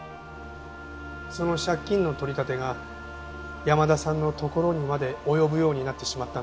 その借金の取り立てが山田さんの所にまで及ぶようになってしまったんです。